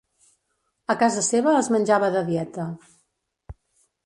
A casa seva es menjava de dieta.